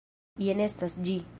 Jen estas ĝi!